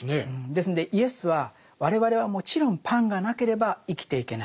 ですんでイエスは我々はもちろんパンがなければ生きていけない。